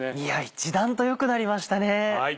一段と良くなりましたね。